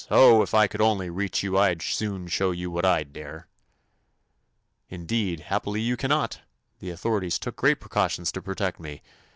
Oh, it I could only reach you I d soon show you what I 'd dare I" "Indeed I happily, you cannot. The authorities took great precau tions to protect me.